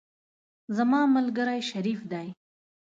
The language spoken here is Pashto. زما ملګری شریف دی.